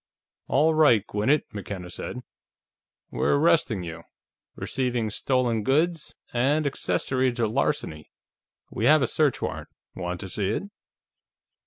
"All right, Gwinnett," McKenna said. "We're arresting you: receiving stolen goods, and accessory to larceny. We have a search warrant. Want to see it?"